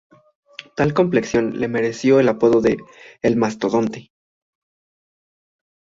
Tal complexión le mereció el apodo de "El mastodonte".